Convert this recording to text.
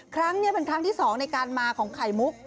ครั้งนี้เป็นครั้งที่๒ในการมาของไข่มุก